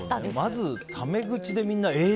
まずタメ口でみんなええ！